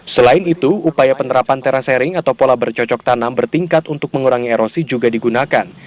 selain itu upaya penerapan tera sharing atau pola bercocok tanam bertingkat untuk mengurangi erosi juga digunakan